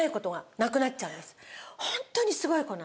ホントにすごい子なの。